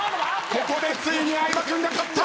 ここでついに相葉君が勝った。